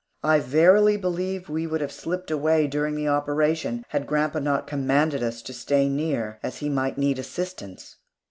I verily believe we would have slipped away during the operation, had grandpa not commanded us to stay near, as he might need assistance.